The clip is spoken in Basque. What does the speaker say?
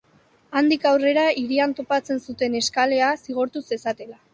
Handik aurrera hirian topatzen zuten eskalea zigortu zezatela.